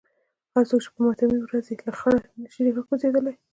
هر څوک چې په ماتمي ورځ له خره نشي راکوزېدای.